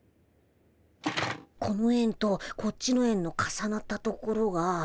この円とこっちの円の重なったところが。